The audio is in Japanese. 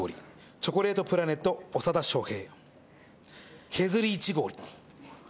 チョコレートプラネット長田庄平。